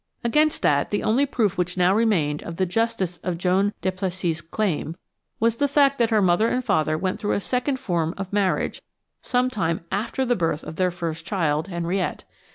Against that, the only proof which now remained of the justice of Joan Duplessis's claim was the fact that her mother and father went through a second form of marriage some time after the birth of their first child, Henriette.